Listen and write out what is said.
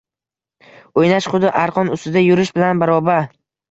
Oʻynash - xuddi arqon ustida yurish bilan baroba